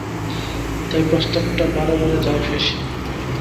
তাই প্রস্তাবটা বারে বারে যায় ফেঁসে।